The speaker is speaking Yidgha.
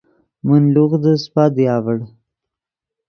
من لوغدے سیپادے اڤڑ